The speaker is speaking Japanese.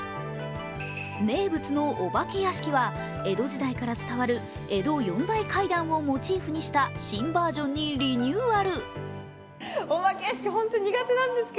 名物のお化け屋敷は江戸時代から伝わる江戸四大怪談をモチーフにした新バージョンにリニューアル。